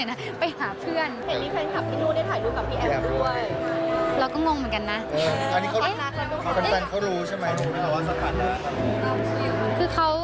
อันนี้เขารู้ใช่มั้ยว่าสักหน่อย